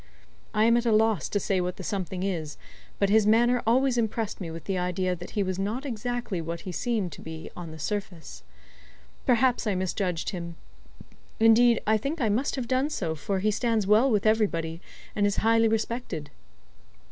I am at a loss to say what the something is; but his manner always impressed me with the idea that he was not exactly what he seemed to be on the surface. Perhaps I misjudged him. Indeed, I think I must have done so, for he stands well with everybody, and is highly respected."